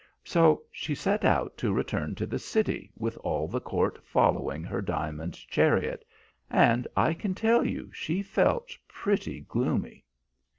So she set out to return to the city, with all the court following her diamond chariot, and I can tell you she felt pretty gloomy.